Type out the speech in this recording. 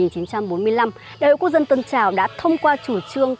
đại hội quốc dân tân trào đã thông qua chủ trương